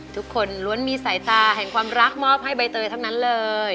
ทุกคนล้วนมีสายตาแห่งความรักมอบให้ใบเตยทั้งนั้นเลย